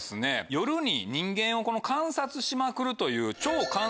夜に人間を観察しまくるという。